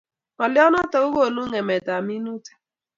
Ngalyo nitok ko konu ngemet ab minutik